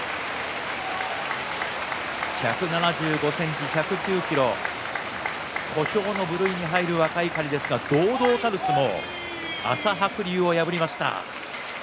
１７５ｃｍ１０９ｋｇ小兵の部類に入る若碇ですが堂々たる相撲朝白龍を破りました。